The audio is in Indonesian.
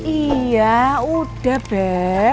iya udah beb